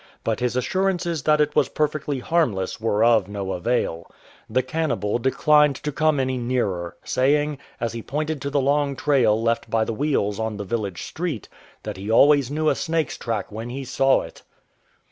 But his assurances that it was perfectly harmless ^vere of no avail. The 183 PYGMYLAND cannibal declined to come any nearer, saying, as he pointed to the long trail left by the wheels on the village street, that he always knew a snake's track when he saw it.